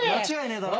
だろ？